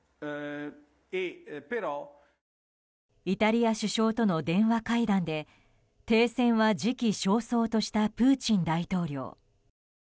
イタリア首相との電話会談で停戦は時期尚早としたプーチン大統領。